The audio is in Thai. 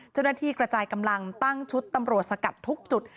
เจ้าหน้าที่กระจายกำลังตั้งชุดตำรวจสกัดทุกจุด